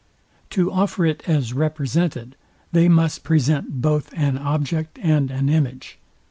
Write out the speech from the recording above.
To offer it as represented, they must present both an object and an image.